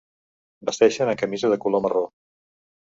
Vesteixen amb camisa de color marró.